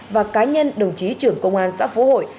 và cá nhân đồng chí trưởng công an xã phú hội